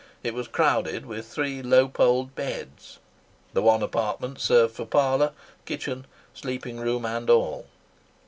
It was crowded with three low poled beds. The one apartment served for parlour, kitchen, sleeping room, and all.